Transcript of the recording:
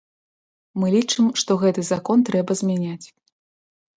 Мы лічым, што гэты закон трэба змяняць.